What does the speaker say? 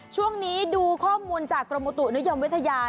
ช่วงนี้ดูข้อมูลจากกรมอุตุนิยมวิทยา